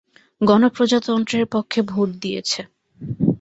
গণপ্রজাতন্ত্রের পক্ষে ভোট দিয়েছে।